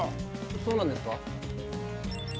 そうなんですか？